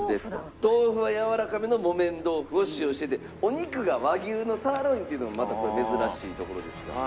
豆腐はやわらかめの木綿豆腐を使用しててお肉が和牛のサーロインっていうのもまたこれ珍しいところですが。